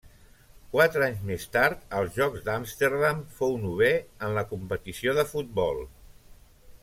Quatre anys més tard, als Jocs d'Amsterdam, fou novè en la competició de futbol.